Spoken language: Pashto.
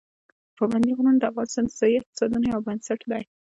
پابندي غرونه د افغانستان د ځایي اقتصادونو یو بنسټ دی.